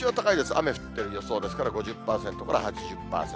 雨降ってる予想ですから、５０％から８０％。